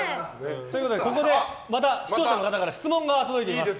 ここでまた視聴者の方から質問が届いています。